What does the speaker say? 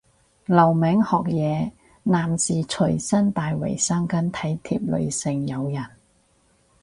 留名學嘢，男士隨身帶衛生巾體貼女性友人